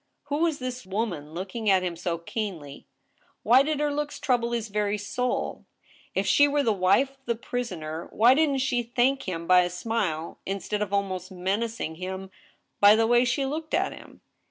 Who was this woman looking at him so keenly } Why did her looks trouble his very soul ? If she were the wife of the prisoner, why didn't she thank him by a smile, instead of almost menacing him by the way she looked at him